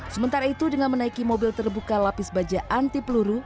sementara itu dengan menaiki mobil terbuka lapis baja anti peluru